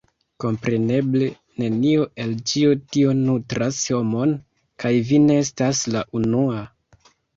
Kompreneble! Nenio el ĉio tio nutras homon, kaj vi ne estas la unua.